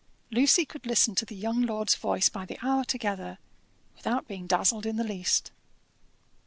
Lucy could listen to the young lord's voice by the hour together without being dazzled in the least.